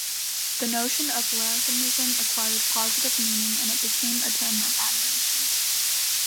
The notion of larrikinism acquired positive meaning and it became a term of admiration.